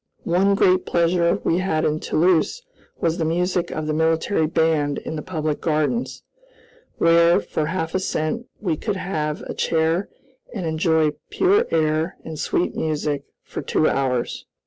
One great pleasure we had in Toulouse was the music of the military band in the public gardens, where, for half a cent, we could have a chair and enjoy pure air and sweet music for two hours.